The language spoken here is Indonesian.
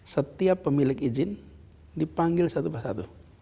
setiap pemilik izin dipanggil satu persatu